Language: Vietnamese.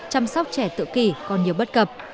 chăm sóc trẻ tự kỷ còn nhiều bất cập